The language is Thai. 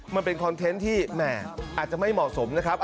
มันเป็นคอนเทนต์ที่แหมอาจจะไม่เหมาะสมนะครับ